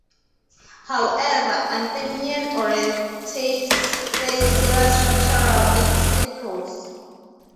However, Athenian orators faced serious structural obstacles.